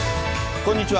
こんにちは。